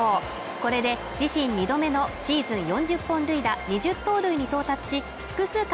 これで自身２度目のシーズン４０本塁打２０盗塁に到達し複数回